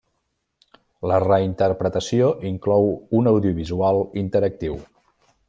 La reinterpretació inclou un audiovisual interactiu.